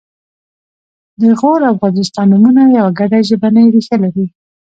د غور او غرجستان نومونه یوه ګډه ژبنۍ ریښه لري